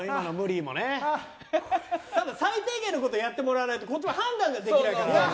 ただ最低限のことやってもらわないとこっちも判断ができないから。